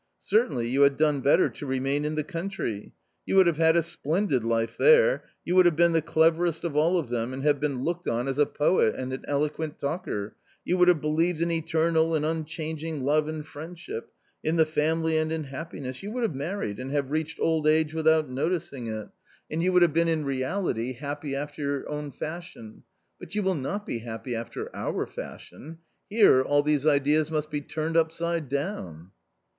Certainly you had done better to remain in the country. You would have had a splendid life there : you would have been the cleverest of all of them, and have been looked on i as a poet and an eloquent talker, you would have believed in eternal and unchanging love and friendship, in the family , and in happiness, you would have married and have reached old age without noticing it, and you would have been in A COMMON STORY 43 reality happy after your own fashion ; but you will not be happy after our fashion ; here all these ideas must be turned upside down."